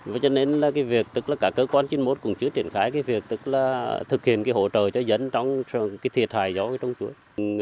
vì vậy cả cơ quan chuyên môn cũng chưa triển khai việc thực hiện hỗ trợ cho dân trong thiệt hại do trồng chuối